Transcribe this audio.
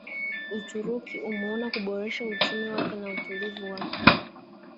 Uturuki imeona kuboresha uchumi wake na utulivu wa